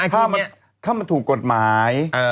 ถ้ามันถูกกฎหมาย